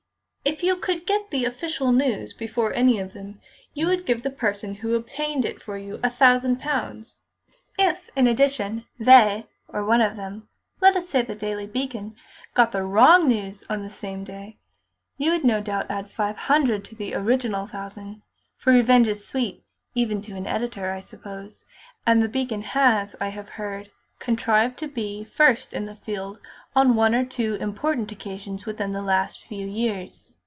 "If you could get the official news before any of them, you would give the person who obtained it for you a thousand pounds. If, in addition, they, or one of them let us say The Daily Beacon got the wrong news on the same day, you would no doubt add five hundred to the original thousand; for revenge is sweet, even to an editor, I suppose, and The Beacon has, I have heard, contrived to be first in the field on one or two important occasions within the last few years."